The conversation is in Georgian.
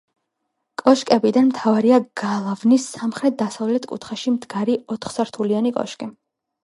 კოშკებიდან მთავარია გალავნის სამხრეთ-დასავლეთ კუთხეში მდგარი, ოთხსართულიანი კოშკი.